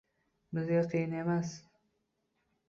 Bizga qiyin emas